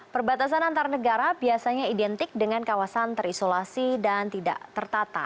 perbatasan antar negara biasanya identik dengan kawasan terisolasi dan tidak tertata